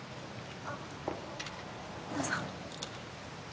あっどうぞ。